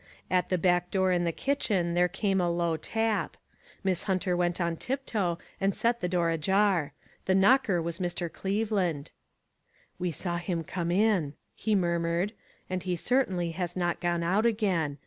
At the back door in the kitchen there came a low tap. Miss Hunter went on tiptoe and set the door ajar. The knocker was Mr. Cleveland. " We saw him come in," he murmured, 44 and he certainly has not gone out again.